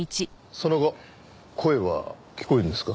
その後声は聞こえるんですか？